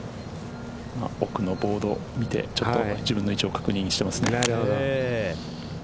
奥のボードを見て自分の位置を確認してますね。